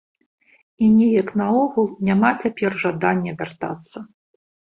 І неяк наогул няма цяпер жадання вяртацца.